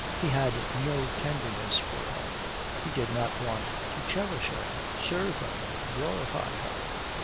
He had no tenderness for her, he did not want to cherish her, serve her, glorify her.